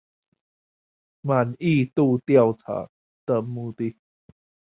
滿意度調查的目的